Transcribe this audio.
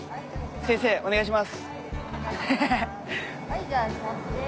先生お願いします。